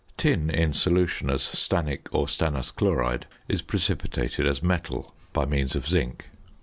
Tin in solution as stannic or stannous chloride is precipitated as metal by means of zinc.